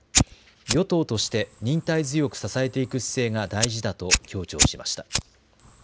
与党として忍耐強く支えていく姿勢が大事だと強調しました。